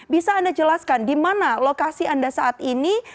bisa anda jelaskan di mana lokasi anda saat ini